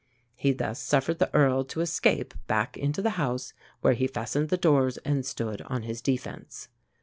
He thus suffered the Earl to escape back into the house, where he fastened the doors and stood on his defence.